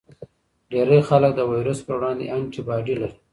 ډیری خلک د ویروس پر وړاندې انټي باډي لري.